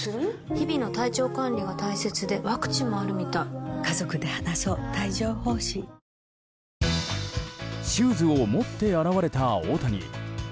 日々の体調管理が大切でワクチンもあるみたいシューズを持って現れた大谷。